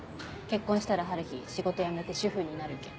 結婚したら悠日仕事辞めて主夫になる件。